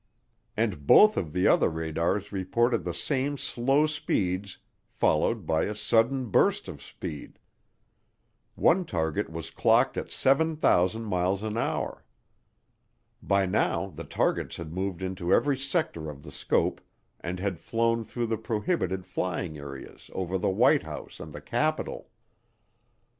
And both of the other radars reported the same slow speeds followed by a sudden burst of speed. One target was clocked at 7,000 miles an hour. By now the targets had moved into every sector of the scope and had flown through the prohibited flying areas over the White House and the Capitol.